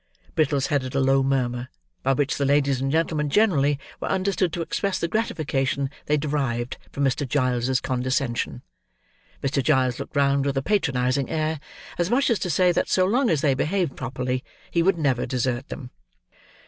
Brittles headed a low murmur, by which the ladies and gentlemen generally were understood to express the gratification they derived from Mr. Giles's condescension. Mr. Giles looked round with a patronising air, as much as to say that so long as they behaved properly, he would never desert them.